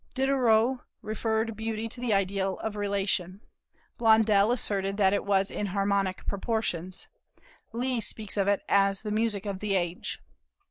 Diderot referred beauty to the idea of relation. Blondel asserted that it was in harmonic proportions. Leigh speaks of it as the music of the age."